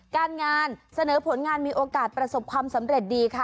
การงานเสนอผลงานมีโอกาสประสบความสำเร็จดีค่ะ